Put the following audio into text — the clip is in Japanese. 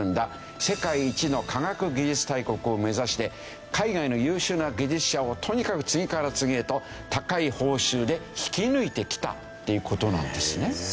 世界一の科学技術大国を目指して海外の優秀な技術者をとにかく次から次へと高い報酬で引き抜いてきたっていう事なんですね。